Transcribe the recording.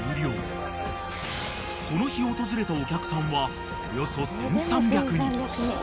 ［この日訪れたお客さんはおよそ１，３００人］